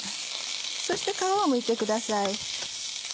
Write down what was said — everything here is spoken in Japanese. そして皮をむいてください。